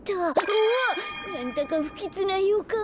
うわっなんだかふきつなよかん。